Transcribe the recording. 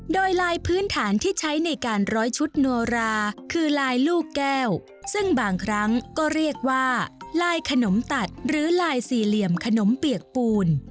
โดยลายพื้นฐานที่ใช้ในการร้อยชุดโนราคือลายลูกแก้วซึ่งบางครั้งก็เรียกว่าลายขนมตัดหรือลายสี่เหลี่ยมขนมเปียกปูน